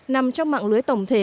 nằm trong mạng lưới tổng thể